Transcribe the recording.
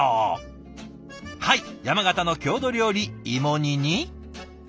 はい山形の郷土料理芋煮に。